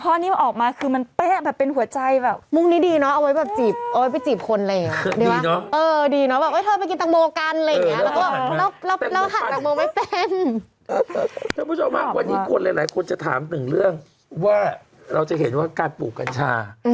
อันนี้เหมือนแบบว่ารู้มุมว่ามันต้องเป็นมุมนี้